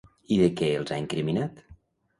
I de què els ha incriminat?